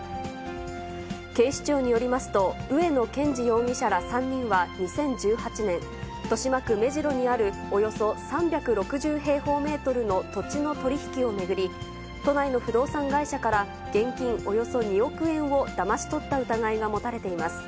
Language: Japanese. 警視庁によりますと、上野健二容疑者ら３人は２０１８年、豊島区目白にあるおよそ３６０平方メートルの土地の取り引きを巡り、都内の不動産会社から現金およそ２億円をだまし取った疑いが持たれています。